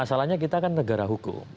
masalahnya kita kan negara hukum